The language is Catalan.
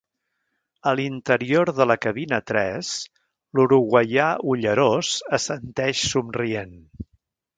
A l'interior de la cabina tres l'uruguaià ullerós assenteix somrient.